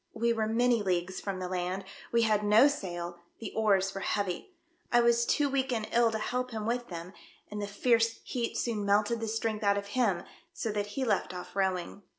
We were many leagues from the land, we had no sail, the oars were heavy. I was too weak and ill to help him with them, and the fierce heat soon melted the strength out of him, so that he left off rowing.